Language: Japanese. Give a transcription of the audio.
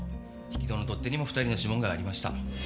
引き戸の取っ手にも２人の指紋がありました。